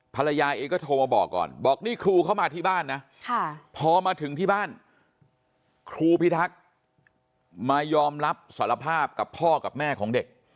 ภรรยายเองก็โทรมาบอกก่อน